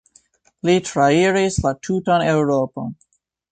Li trairis la tutan Eŭropon.